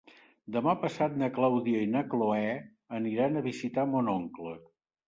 Demà passat na Clàudia i na Cloè aniran a visitar mon oncle.